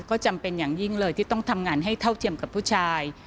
ก็จำเป็นอย่างยิ่งเลยที่ต้องทำงานให้เท่าเทียมกับผู้ชาย